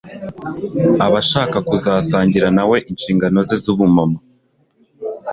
Abashaka kuzasangira na we inshingano ze z'ubumana